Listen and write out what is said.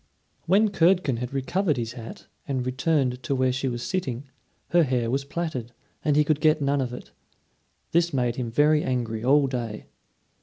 When Curdken had recovered his hat and returned to where she was sitting, her hair was plaited, and he could get none of it. This made him very angry all day.